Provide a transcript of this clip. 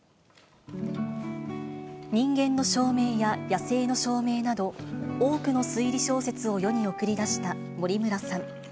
人間の証明や野性の証明など、多くの推理小説を世に送り出した森村さん。